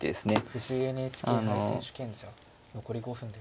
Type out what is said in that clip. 藤井ＮＨＫ杯選手権者残り５分です。